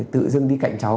tự dưng đi cạnh cháu